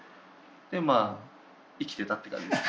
でまあ生きていたって感じです。